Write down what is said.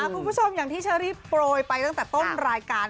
คุณผู้ชมอย่างที่เชอรี่โปรยไปตั้งแต่ต้นรายการ